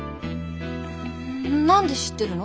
ん何で知ってるの？